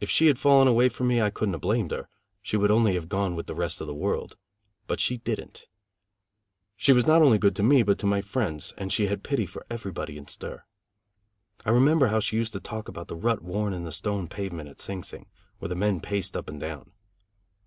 If she had fallen away from me, I couldn't have blamed her; she would only have gone with the rest of the world; but she didn't. She was good not only to me, but to my friends, and she had pity for everybody in stir. I remember how she used to talk about the rut worn in the stone pavement at Sing Sing, where the men paced up and down.